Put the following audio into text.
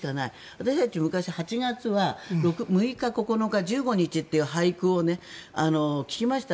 私たち、昔８月は６日、９日、１５日という俳句をよく聞きました。